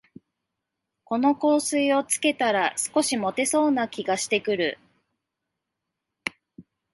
この香水をつけたら、少しもてそうな気がしてくる